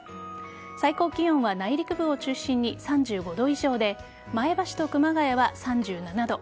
最高気温は内陸部を中心に３５度以上で前橋と熊谷は３７度。